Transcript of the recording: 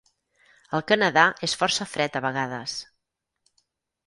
El Canadà és força fred a vegades.